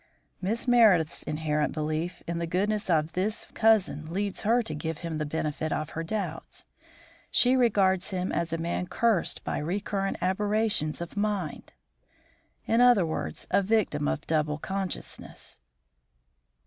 "Miss Meredith's inherent belief in the goodness of this favourite cousin leads her to give him the benefit of her doubts. She regards him as a man cursed by recurrent aberrations of mind; in other words, a victim of double consciousness."